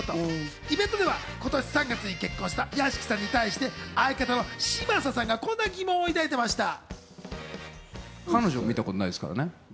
イベントでは今年３月に結婚した屋敷さんに対して相方の嶋佐さんがこんな疑問を抱いていました。